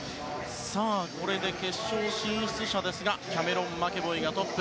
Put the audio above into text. さあ、これで決勝進出者はキャメロン・マケボイがトップ。